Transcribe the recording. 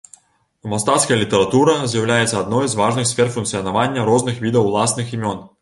Мастацкая літаратура з'яўляецца адной з важных сфер функцыянавання розных відаў уласных імён.